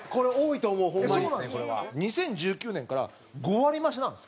土田：２０１９年から５割り増しなんです。